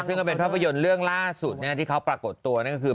ซึ่งก็เป็นภาพยนตร์เรื่องล่าสุดที่เขาปรากฏตัวนั่นก็คือ